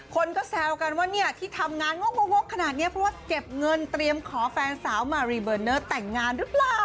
คนก็แซวกันว่าเนี่ยที่ทำงานงกขนาดนี้เพราะว่าเก็บเงินเตรียมขอแฟนสาวมารีเบอร์เนอร์แต่งงานหรือเปล่า